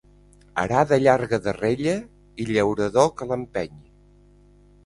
Arada llarga de rella i llaurador que l'empenyi.